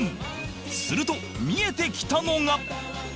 すると見えてきたのが